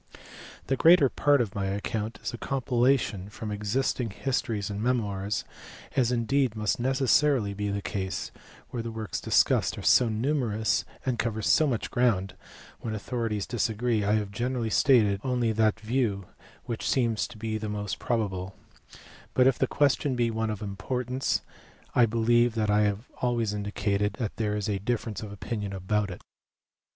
The greater part of my account is a compilation from existing histories or memoirs, as indeed must be necessarily the case where the works discussed are so numerous and cover so much ground ; when authorities disagree I have generally stated only that view which seems to me to be the most probable, but if the question be one of importance I believe that I have always indi cated that there is a difference of opinion about it.